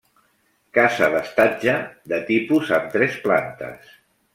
Casa d'estatge de tipus amb tres plantes.